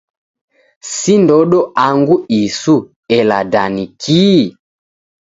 Si ndodo angu isu, ela da ni kii?